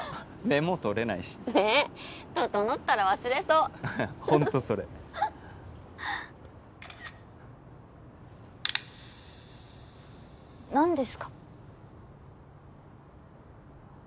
メモ取れないしねえ整ったら忘れそうホントそれ何ですか？